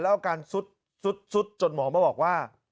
อาการซุดจนหมอมาบอกว่า